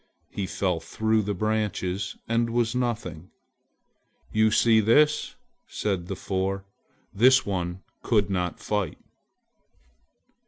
He fell through the branches and was nothing! "You see this!" said the four, "this one could not fight."